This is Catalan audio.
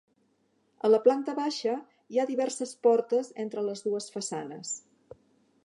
A la planta baixa hi ha diverses portes entre les dues façanes.